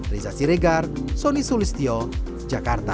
reza siregar sonny sulistyo jakarta